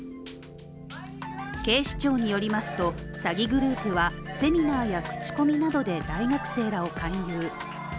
警視庁によりますと、詐欺グループは、セミナーや口コミなどで大学生らを勧誘。